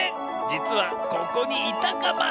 じつはここにいたカマ。